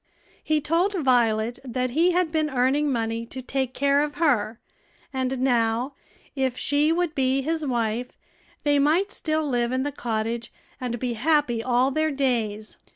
He told Violet that he had been earning money to take care of her, and now, if she would be his wife, they might still live in the cottage and be happy all their days.